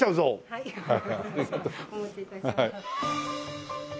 はいお持ち致します。